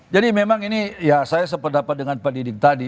jadi memang ini ya saya sependapat dengan pak didik tadi